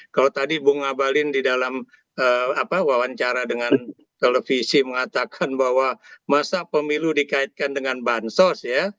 kalau tadi bung abalin di dalam wawancara dengan televisi mengatakan bahwa masa pemilu dikaitkan dengan bansos ya